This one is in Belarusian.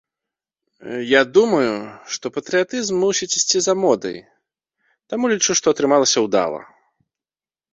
Я думаю, што патрыятызм мусіць ісці за модай, таму лічу, што атрымалася ўдала.